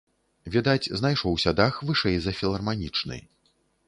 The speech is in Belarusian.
Відаць, знайшоўся дах вышэй за філарманічны.